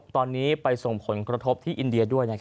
ตอนนี้ไปส่งผลกระทบที่อินเดียด้วย